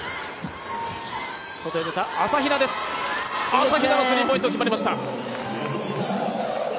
朝比奈のスリーポイント決まりました！